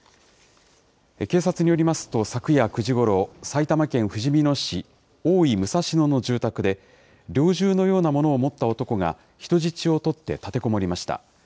警察によりますと、昨夜９時ごろ、埼玉県ふじみ野市大井武蔵野の住宅で、猟銃のようなものを持った男が人質を取って立てこもりました。